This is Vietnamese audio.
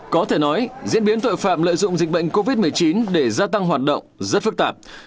có thể nói diễn biến tội phạm lợi dụng dịch bệnh covid một mươi chín để gia tăng hoạt động rất phức tạp